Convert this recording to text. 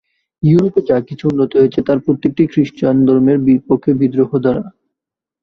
ইউরোপে যা কিছু উন্নতি হয়েছে, তার প্রত্যেকটিই ক্রিশ্চানধর্মের বিপক্ষে বিদ্রোহ দ্বারা।